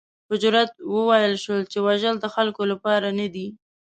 په جرات وویل شول چې وژل د خلکو لپاره نه دي.